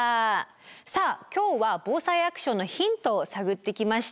さあ今日は「ＢＯＳＡＩアクション」のヒントを探ってきました。